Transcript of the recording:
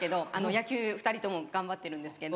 野球２人とも頑張ってるんですけど。